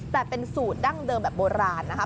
แต่เป็นสูตรดั้งเดิมแบบโบราณนะคะ